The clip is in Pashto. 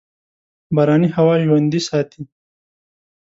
باراني هوا ژوندي ساتي.